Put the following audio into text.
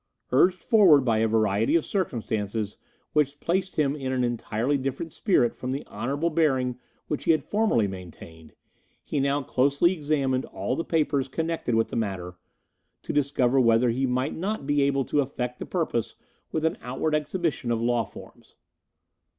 Urged forward by a variety of circumstances which placed him in an entirely different spirit from the honourable bearing which he had formerly maintained, he now closely examined all the papers connected with the matter, to discover whether he might not be able to effect his purpose with an outward exhibition of law forms.